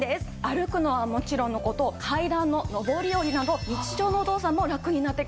歩くのはもちろんの事階段の上り下りなど日常の動作もラクになってくると思います。